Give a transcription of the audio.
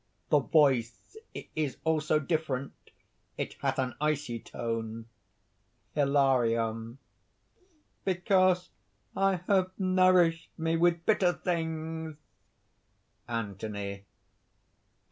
"The voice is also different. It hath an icy tone." HILARION. "Because I have nourished me with bitter things!" ANTHONY.